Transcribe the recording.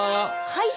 はい！